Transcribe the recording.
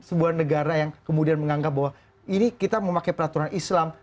sebuah negara yang kemudian menganggap bahwa ini kita memakai peraturan islam